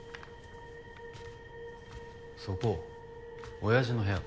そこ親父の部屋。